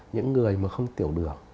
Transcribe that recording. những người mà không tiểu đường